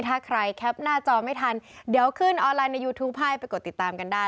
ถ้าใครแคปหน้าจอไม่ทันเดี๋ยวขึ้นออนไลน์ในยูทูปให้ไปกดติดตามกันได้